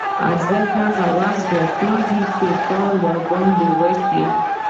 ارزښت هغه وخت زیاتېږي چې کار ورباندې وشي